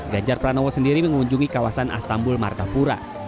ganjar pranowo sendiri mengunjungi kawasan astambul martapura